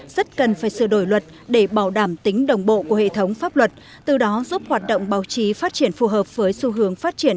rất cần phải sửa đổi luật để bảo đảm tính đồng bộ của hệ thống pháp luật từ đó giúp hoạt động báo chí phát triển phù hợp với xu hướng phát triển